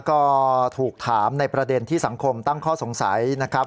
ก็ถูกถามในประเด็นที่สังคมตั้งข้อสงสัยนะครับ